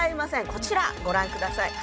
こちらご覧下さい。